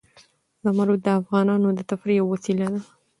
زمرد د افغانانو د تفریح یوه وسیله ده.